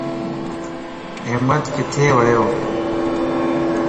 احمد ڪٿي ويو.